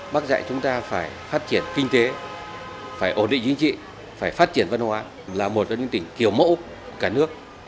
bác dạy chúng ta phải phát triển kinh tế phải ổn định chính trị phải phát triển văn hóa là một trong những tỉnh kiểu mẫu cả nước